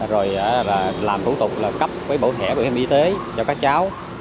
rồi làm thủ tục là cấp bổ thẻ của em y tế cho các cháu